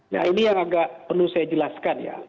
ya ini yang agak penuh saya jelaskan ya